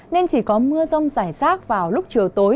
nên chỉ có mưa rông rải rác vào lúc chiều tối